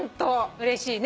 うれしいね